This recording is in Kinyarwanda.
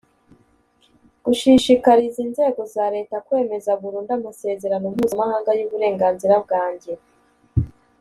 gushishikariza inzego za leta kwemeza burundu amasezerano mpuzamahanga y uburenganzira bwanjye